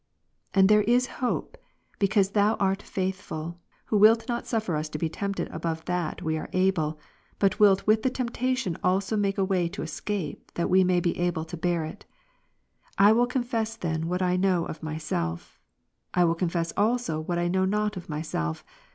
And there is hope, because Thou art faithful. Who wilt l Cor. not suffer us to be tempted above that ive are able ; but wilt ' with the temptation also make a ivay to escape, that we may be able to bear it. I will confess then what I know of my self, I will confess also what I know not of myself.